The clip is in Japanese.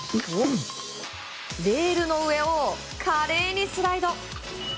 レールの上を華麗にスライド。